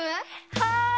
はい！